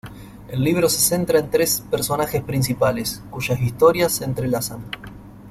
El libro se centra en tres personajes principales cuyas historias se entrelazan.